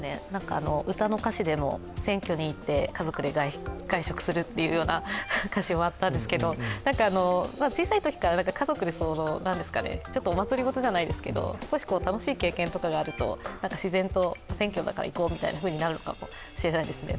歌の歌詞でも選挙に行って家族で外食するというような歌詞もあったんですけど、小さいときから家族で、お祭りごとじゃないですけど少し楽しい経験とかがあると、自然と選挙だから行こうみたいになるかもしれないですね。